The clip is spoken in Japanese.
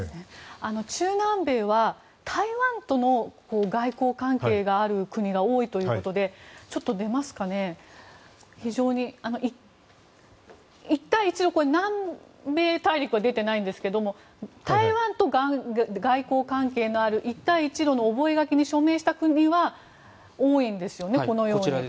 中南米には台湾との外交関係がある国が多いということで一帯一路南米大陸は出てないんですが台湾と外交関係のある一帯一路の覚書に署名した国は多いんですよね、このように。